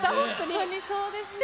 本当にそうですね。